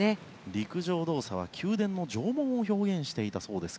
陸上動作は宮殿の城門を表現していたそうです。